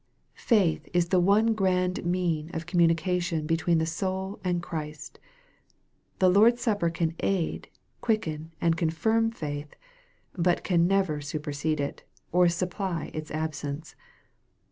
Faith is the one grand mean of communication between the soul and Christ. The Lord's supper can aid, quicken, and confirm faith, but can never supersede it, or supply its absence.